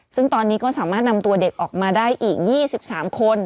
ซึ่งตอนนี้ก็สามารถนำตัวเด็กออกมาได้อีก๒๓คน